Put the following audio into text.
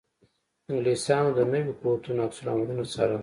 انګلیسیانو د نویو قوتونو عکس العملونه څارل.